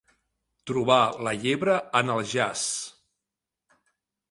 Trobar la llebre en el jaç.